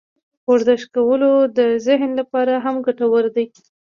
ورزش کول د ذهن لپاره هم ګټور دي.